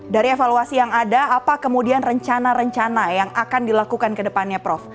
dari evaluasi yang ada apa kemudian rencana rencana yang akan dilakukan ke depannya prof